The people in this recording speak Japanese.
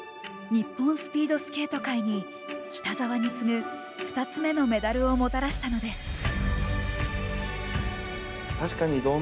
日本スピードスケート界に北沢に次ぐ２つ目のメダルをもたらしたのです。